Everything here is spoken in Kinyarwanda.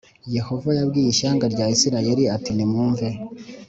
Yehova yabwiye ishyanga rya Isirayeli ati mwumvire